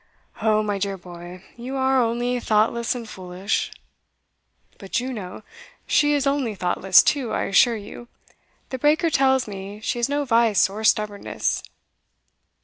"O, my dear boy, you are only thoughtless and foolish." "But Juno she is only thoughtless too, I assure you the breaker tells me she has no vice or stubbornness."